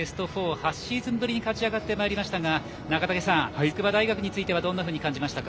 ８シーズンぶりに勝ち上がってまいりましたが中竹さん、筑波大学についてどう感じましたか。